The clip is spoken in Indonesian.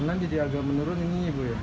online jadi agak menurun ini ya bu ya